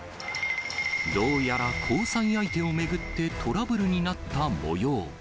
どうやら交際相手を巡ってトラブルになったもよう。